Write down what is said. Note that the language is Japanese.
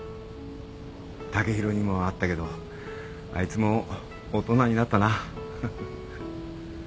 剛洋にも会ったけどあいつも大人になったなあ。